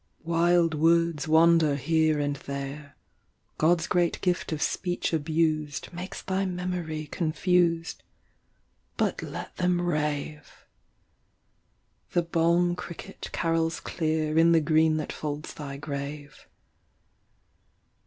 7 Wild words wander here and there; God’s great gift of speech abused Makes thy memory confused: But let them rave. The balm cricket carols clear In the green that folds thy grave.